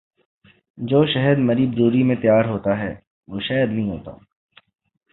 جو شہد مری بروری میں تیار ہوتا ہے۔